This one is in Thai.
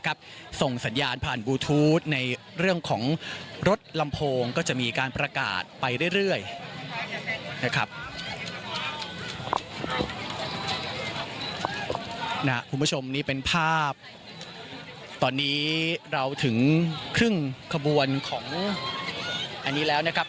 คุณผู้ชมนี่เป็นภาพตอนนี้เราถึงครึ่งขบวนของอันนี้แล้วนะครับ